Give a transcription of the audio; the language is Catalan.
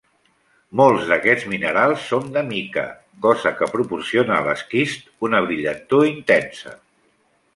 Molts d'aquests minerals són de mica, cosa que proporciona a l'esquist una brillantor intensa.